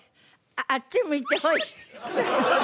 あっち向いてホイ。